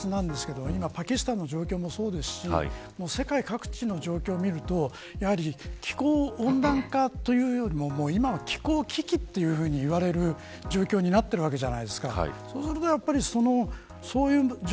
私たちの身の回りでできることをやるのはとても大切なんですけど今のパキスタンの状況もそうですし世界各地の状況を見ると気候温暖化というよりも気候危機というふうに言われる状況になっているわけじゃないですか。